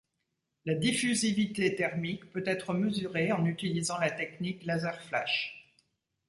La diffusivité thermique peut être mesurée en utilisant la technique Laser Flash.